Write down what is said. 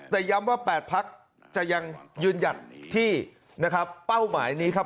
แต่ย้ำว่า๘พักจะยังยืนหยัดที่นะครับเป้าหมายนี้ครับ